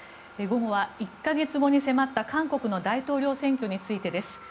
午後は１か月後に迫った韓国の大統領選挙についてです。